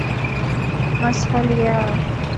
maslahi yao